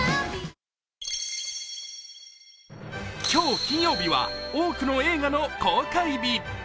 今日、金曜日は多くの映画の公開日。